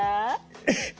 えっ！